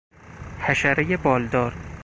حشرهی بالدار